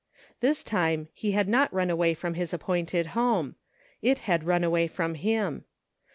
This time he had not run away from his appointed home ; it had run away from him.